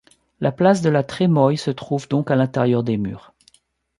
La place de la Trémoille se trouve donc à l'intérieur des murs.